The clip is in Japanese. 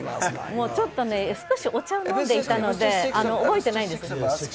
もうちょっと、少しお茶を飲んでいたので、覚えてないです。